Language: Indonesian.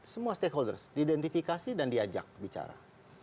semua stakeholders diidentifikasi dan diajak bicara